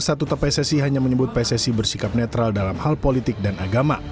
satu atau pssi hanya menyebut pssi bersikap netral dalam hal politik dan agama